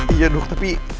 iya dok tapi